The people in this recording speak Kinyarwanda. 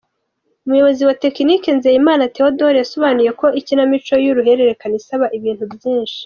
Umuyobozi wa tekinike, Nzeyimana Théodore, yasobanuye ko ikinamico y’uruhererekane isaba ibintu byinshi.